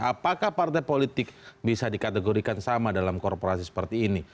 apakah partai politik bisa dikategorikan sama dalam korporasi seperti ini